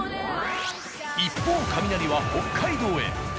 一方カミナリは北海道へ。